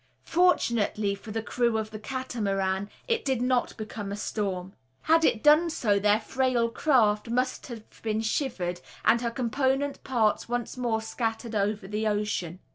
Fortunately for the crew of the Catamaran, it did not become a storm. Had it done so their frail craft must have been shivered, and her component parts once more scattered over the ocean.